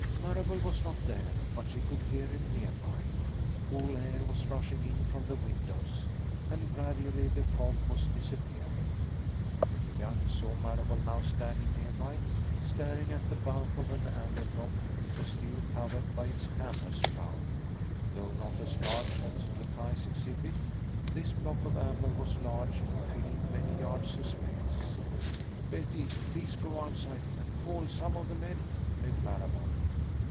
Marable was not there, but she could hear him nearby. Cool air was rushing in from the windows, and gradually the fog was disappearing. Betty Young saw Marable now, standing nearby, staring at the bulk of an amber block which was still covered by its canvas shroud. Though not as large as the prize exhibit, this block of amber was large and filled many yards of space. "Betty, please go outside and call some of the men," begged Marable.